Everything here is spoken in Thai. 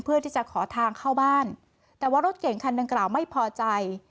เพื่อที่จะขอทางเข้าบ้านแต่ว่ารถเก่งคันดังกล่าวไม่พอใจ